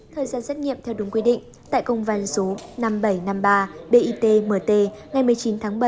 thời gian xét nghiệm theo đúng quy định tại công văn số năm nghìn bảy trăm năm mươi ba bitmt ngày một mươi chín tháng bảy